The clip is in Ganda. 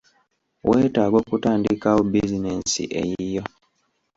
Weetaaga okutandikawo bizinensi eyiyo.